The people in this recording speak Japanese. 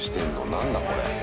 何だこれ。